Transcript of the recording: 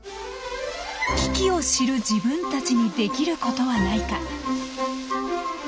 危機を知る自分たちにできることはないか。